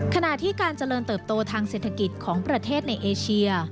ขณะที่การเจริญเติบโตทางเศรษฐกิจของประเทศในเอเชีย